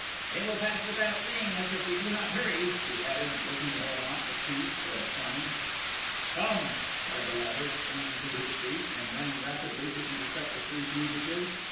"They will pass without seeing us if we do not hurry," he added looking at Om at, the chief, for a sign. "Come!" cried the latter, springing to his feet and running rapidly to intercept the three fugitives.